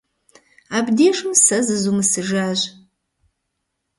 Абдежым сэ зызумысыжащ.